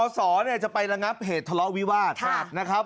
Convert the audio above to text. สอจะไประงับเหตุทะเลาะวิวาสนะครับ